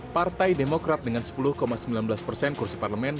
partai demokrat dengan sepuluh sembilan belas persen kursi parlemen